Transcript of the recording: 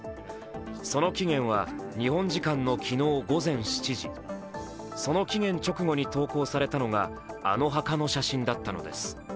その期限は日本時間の昨日午前７時その期限直後に投稿されたのがあの墓の写真だったのです。